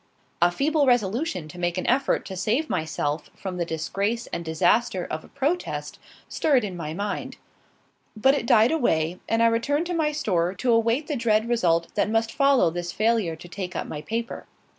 A feeble resolution to make an effort to save myself from the disgrace and disaster of a protest stirred in my mind; but it died away, and I returned to my store to await the dread result that must follow this failure to take up my paper.